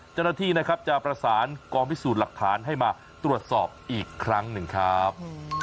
เจ้าหน้าที่นะครับจะประสานกองพิสูจน์หลักฐานให้มาตรวจสอบอีกครั้งหนึ่งครับ